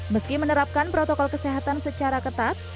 meski menerapkan protokol kesehatan secara ketat